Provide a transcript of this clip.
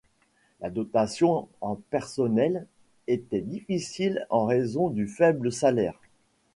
La dotation en personnel était difficile en raison du faible salaire.